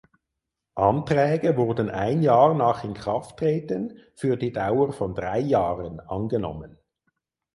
Anträge wurden ein Jahr nach Inkrafttreten für die Dauer von drei Jahren angenommen.